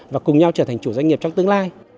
và cùng nhau trở thành chủ doanh nghiệp trong tương lai